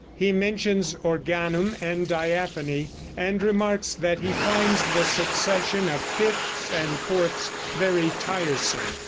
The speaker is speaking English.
He mentions organum and diaphony, and remarks that he finds the succession of fifths and fourths very tiresome.